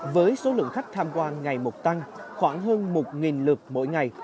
với số lượng khách tham quan ngày một tăng khoảng hơn một lượt mỗi ngày